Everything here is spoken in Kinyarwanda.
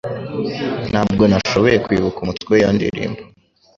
Ntabwo nashoboye kwibuka umutwe w'iyo ndirimbo